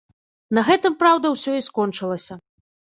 На гэтым, праўда, усё і скончылася.